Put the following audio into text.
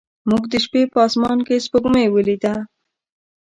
موږ د شپې په اسمان کې سپوږمۍ ولیده.